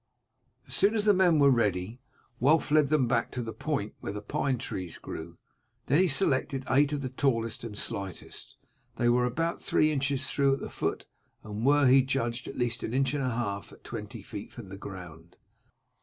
As soon as the men were ready Wulf led them back to the point where the pine trees grew, then he selected eight of the tallest and slightest. They were about three inches through at the foot, and were, he judged, at least an inch and a half at twenty feet from the ground.